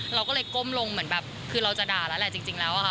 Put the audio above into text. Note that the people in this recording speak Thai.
เราก็เลยก้มลงเหมือนแบบคือเราจะด่าแล้วแหละจริงแล้วค่ะ